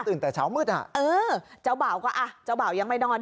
แต่เช้ามืดอ่ะเออเจ้าบ่าวก็อ่ะเจ้าบ่าวยังไม่นอน